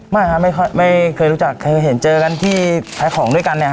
ไม่ครับไม่เคยรู้จักเคยเห็นเจอกันที่ขายของด้วยกันเนี่ยฮ